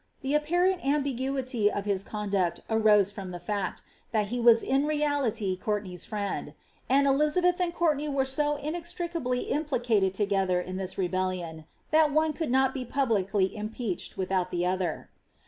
Tiie apparent ambiguity of his conduct arose from the i^U that he was in reality Cotirtenay^s friend ; and Elizabeth and CourteiisT were so inextricably implicated together in this rebellion, that one couki not be publicly impeached without the other.